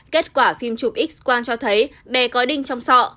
kết quả phim chụp x quang cho thấy bé có đinh trong sọ